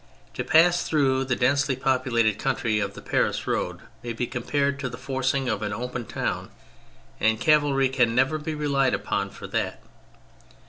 To pass through the densely populated country of the Paris road may be compared to the forcing of an open town, and cavalry can never be relied upon for that.